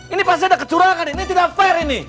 ini pasti ada kecurangan ini tidak fair ini